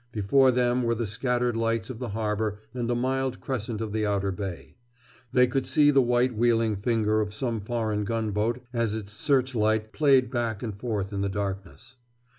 Before them were the scattered lights of the harbor and the mild crescent of the outer bay. They could see the white wheeling finger of some foreign gunboat as its searchlight played back and forth in the darkness.